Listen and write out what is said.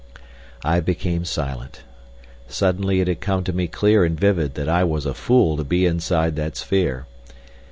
I became silent. Suddenly it had come to me clear and vivid that I was a fool to be inside that sphere.